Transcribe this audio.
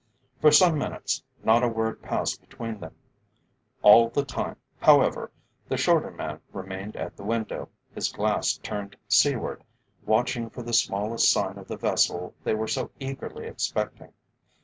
For some minutes not a word passed between them; all the time, however, the shorter man remained at the window, his glass turned seaward, watching for the smallest sign of the vessel they were so eagerly expecting.